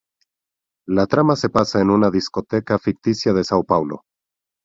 La trama se pasa en una discoteca ficticia de São Paulo.